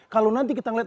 kalau nanti kita ngeliat